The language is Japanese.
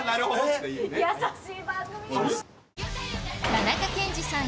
田中健二さん